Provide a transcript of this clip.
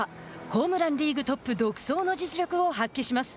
ホームランリーグトップ独走の実力を発揮します。